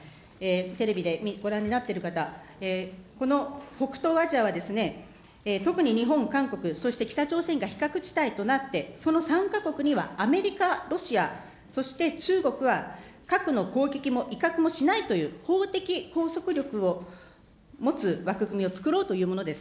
テレビでご覧になっている方、この北東アジアはですね、特に日本、韓国、そして北朝鮮が非核地帯となって、その参加国にはアメリカ、ロシア、そして中国は核の攻撃も威嚇もしないという法的拘束力を持つ枠組みを作ろうというものです。